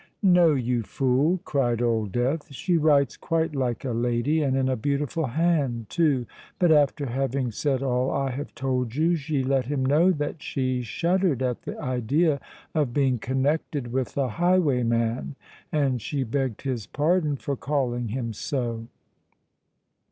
"No, you fool!" cried Old Death. "She writes quite like a lady, and in a beautiful hand too! But, after having said all I have told you, she let him know that she shuddered at the idea of being connected with a highwayman: and she begged his pardon for calling him so."